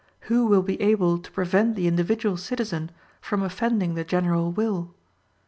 Who will be able to prevent the individual citizen from offending the general will?